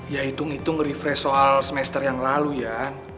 ya hitung hitung refresh soal semester yang lalu ya